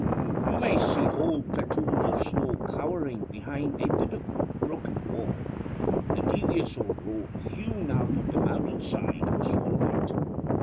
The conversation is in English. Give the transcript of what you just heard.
You may see whole platoons of snow cowering behind a bit of broken wall. The devious old road, hewn out of the mountainside, was full of it.